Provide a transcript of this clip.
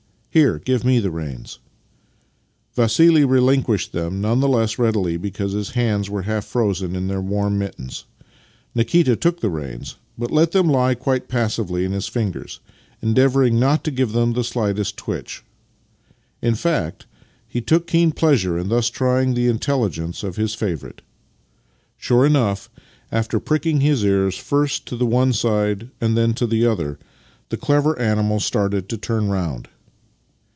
Here, give me the reins." Vassili relinquished them none the less readily "*■ because his hands were half frozen in their warm V mittens. ,4;{ikita^,l0Qk the^..iems,_ but let them lie.© quite passivelyln his fingers, endeavouring not to give \ them the slightest twitch. In fact, he took keen pleasure in thus trying the intelligence of his favourite. Sure enough, after pricking his ears first to the one side and then to the other, the clever animal started to turn round.